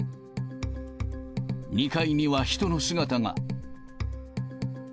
２階には人の姿が。